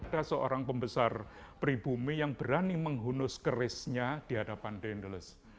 tersesat brendan k one penghujudnya ke onions